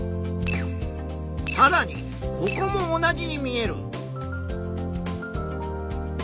さらにここも同じに見える。